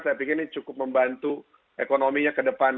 saya pikir ini cukup membantu ekonominya ke depan